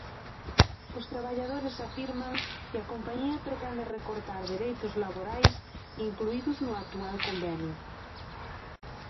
Os traballadores afirman que a compañía pretende recortar dereitos laborais incluídos no actual convenio.